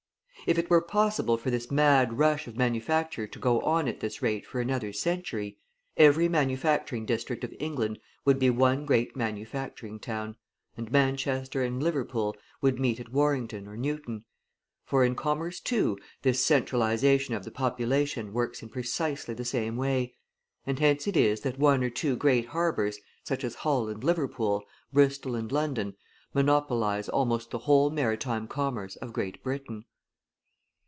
If it were possible for this mad rush of manufacture to go on at this rate for another century, every manufacturing district of England would be one great manufacturing town, and Manchester and Liverpool would meet at Warrington or Newton; for in commerce, too, this centralisation of the population works in precisely the same way, and hence it is that one or two great harbours, such as Hull and Liverpool, Bristol, and London, monopolise almost the whole maritime commerce of Great Britain.